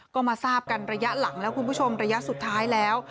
ก็มาทราบกันระยะหลังแล้วคุณผู้ชมระยะสุดท้ายแล้ว